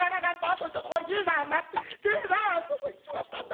じいさんどこ行っちまったんだ。